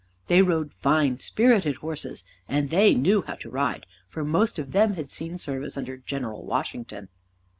They rode fine, spirited horses, and they knew how to ride, for most of them had seen service under General Washington.